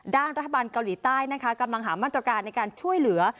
ด้านรัฐบาลเกาหลีใต้นะคะกำลังหามาตรการในการช่วยเหลือ